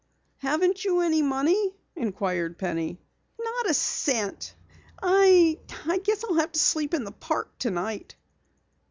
"Haven't you any money?" inquired Penny. "Not a cent. I I guess I'll have to sleep in the park tonight."